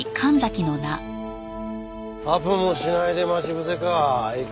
アポもしないで待ち伏せか。